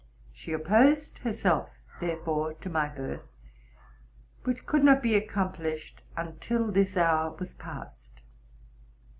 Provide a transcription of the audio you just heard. She opposed herself, therefore, to my birth, which could not be accomplished until this hour was passed.